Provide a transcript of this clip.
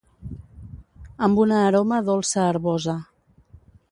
Amb una aroma dolça herbosa.